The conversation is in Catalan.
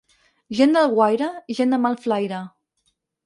Gent d'Alguaire, gent de mal flaire.